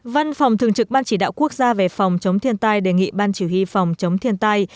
văn phòng thường trực ban chỉ đạo quốc gia về phòng chống thiên tai đề nghị ban chỉ huy phòng chống thiên tai